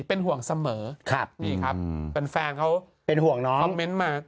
เป็นห่วงเสมอครับนี่ครับแฟนเขาเป็นห่วงน้องคอมเมนต์มา